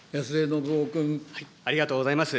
ありがとうございます。